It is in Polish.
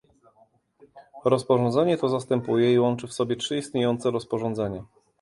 Rozporządzenie to zastępuje i łączy w sobie trzy istniejące rozporządzenia